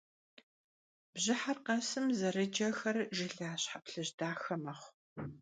Бжьыхьэр къэсым зэрыджэхэр жылащхьэ плъыжь дахэ мэхъу.